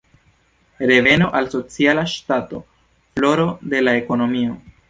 Reveno al sociala ŝtato, floro de la ekonomio.